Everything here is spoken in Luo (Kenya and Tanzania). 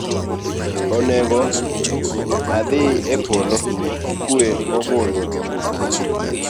Oneg’ adhiyo e polo gi kuwe mogundho chuth.